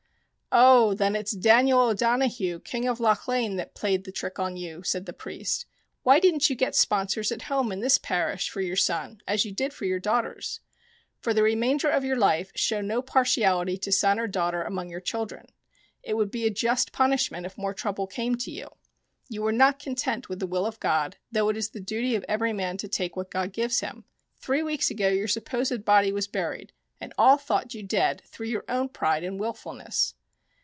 " Oh, then, it's Daniel O'Donohue, King of Lochlein, that played the trick on you," said the priest. " Why didn't you get sponsors at home in this parish for your son as you did for your daughters ? For the remainder of your life show no partiality to son or daughter among your children. It would be a just punishment if more trouble came to you. You were not content with the will of God, though it is the duty of every man to take what God gives him. Three weeks ago your supposed body was buried and all thought you dead through your own pride and wilfulness."